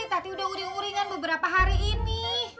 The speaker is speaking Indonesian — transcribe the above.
tati udah diuringin beberapa hari ini